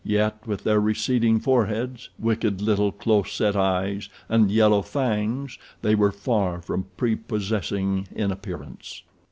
Yet, with their receding foreheads, wicked little close set eyes, and yellow fangs, they were far from prepossessing in appearance.